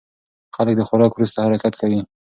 خلک د خوراک وروسته حرکت کوي.